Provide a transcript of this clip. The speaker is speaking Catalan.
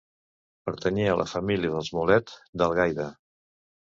Pertanyé a la família dels Mulet, d'Algaida.